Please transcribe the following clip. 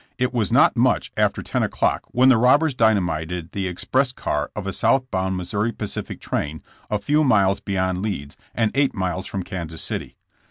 It was not much after ten o'clock when the robbers dynamited the express car of a southbound Missouri Pacific train a few miles beyond Leeds and eight miles from Kansas City.